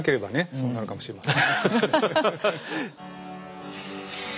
そうなるかもしれません。